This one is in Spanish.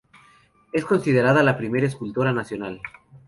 Es considerada la primera escultora nacional.